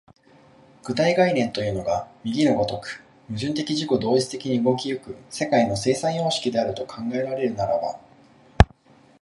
具体概念というのが右の如く矛盾的自己同一的に動き行く世界の生産様式と考えられるならば、